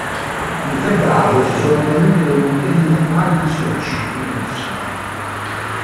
In febbraio si sono tenute le Olimpiadi invernali di Sochi, in Russia.